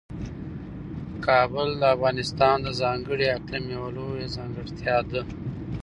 کابل د افغانستان د ځانګړي اقلیم یوه لویه ځانګړتیا ده.